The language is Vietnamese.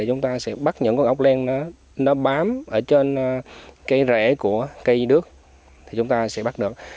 chúng ta sẽ bắt những con ốc len nó bám ở trên cây rễ của cây nước thì chúng ta sẽ bắt được